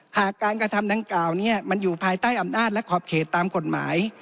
การกระทำดังกล่าวนี้มันอยู่ภายใต้อำนาจและขอบเขตตามกฎหมาย